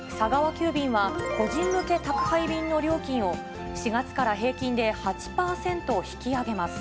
急便は、個人向け宅配便の料金を、４月から平均で８％引き上げます。